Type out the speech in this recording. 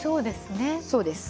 そうですね。